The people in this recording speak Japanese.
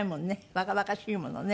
若々しいものね。